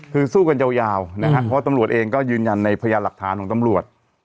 คือสู้กันยาวนะครับเพราะว่าตำรวจเองก็ยืนยันในพยานหลักฐานของตำรวจ